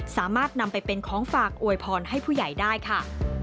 สามารถนำไปเป็นของฝากอวยพรให้ผู้ใหญ่ได้ค่ะ